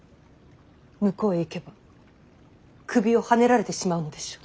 向こうへ行けば首をはねられてしまうのでしょう。